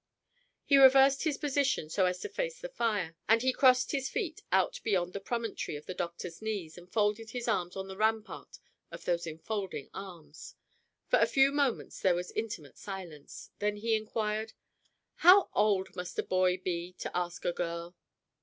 He reversed his position so as to face the fire; and he crossed his feet out beyond the promontory of the doctor's knees and folded his arms on the rampart of those enfolding arms. For a few moments there was intimate silence. Then he inquired: "How old must a boy be to ask a girl?"